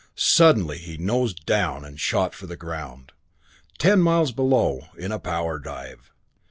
Suddenly he nosed down and shot for the ground, ten miles below, in a power dive.